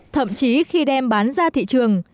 thậm chí khi đem bán ra thị trường